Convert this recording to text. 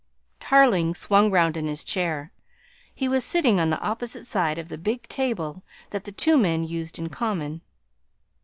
Tarling swung round in his chair; he was sitting on the opposite side of the big table that the two men used in common.